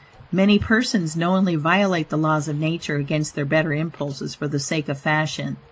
Many persons knowingly violate the laws of nature against their better impulses, for the sake of fashion.